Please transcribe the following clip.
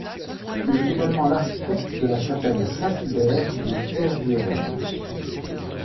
Il est également l'architecte de la Chapelle Saint-Hubert de Tervueren.